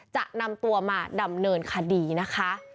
จะนำตัวมาดำเนินคดีนะคะ